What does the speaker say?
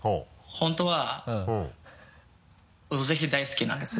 本当は「オドぜひ」大好きなんです。